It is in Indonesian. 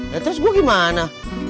ya terus gue gimana